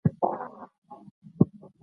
هغې وویل هر پړاو ښه مدیریت شوی و.